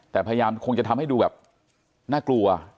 แต่พยายามคงจะทำให้ดูแบบน่ากลัว